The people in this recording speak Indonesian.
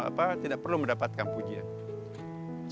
semoga kita mendapatkan kualitas mukhlas pada tahun ini